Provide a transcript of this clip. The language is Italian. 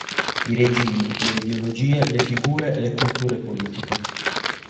I regimi, le ideologie, le figure e le culture politiche